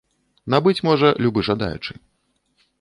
Набыць можа любы жадаючы.